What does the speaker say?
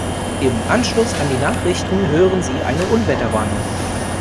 Im Anschluss an die Nachrichten hören Sie eine Unwetterwarnung.